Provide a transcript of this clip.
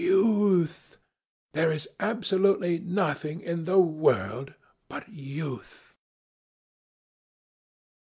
Youth! There is absolutely nothing in the world but youth!"